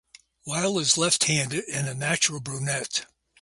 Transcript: Weil is left-handed, and a natural brunette.